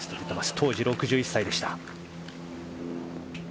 当時６１歳でした。